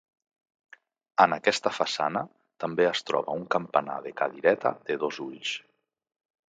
En aquesta façana també es troba un campanar de cadireta de dos ulls.